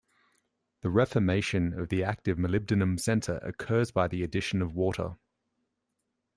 The reformation of the active molybdenum center occurs by the addition of water.